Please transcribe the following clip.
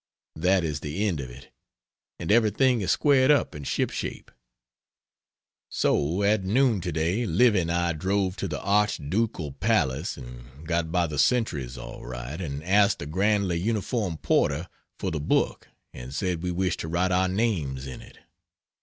That is the end of it, and everything is squared up and ship shape. So at noon today Livy and I drove to the Archducal palace, and got by the sentries all right, and asked the grandly uniformed porter for the book and said we wished to write our names in it.